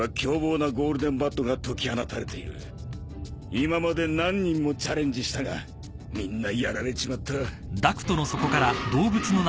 今まで何人もチャレンジしたがみんなやられちまった。